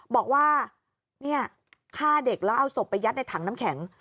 บอกว่าเนี่ยฆ่าเด็กแล้วเอาศพไปยัดในถังน้ำแข็ง